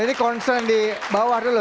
ini concern di bawah dulu